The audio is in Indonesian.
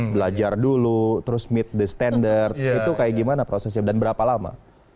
belajar dulu terus meet the standards itu kayak gimana prosesnya dan berapa lama